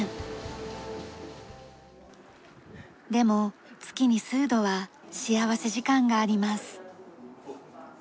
でも月に数度は幸福時間があります。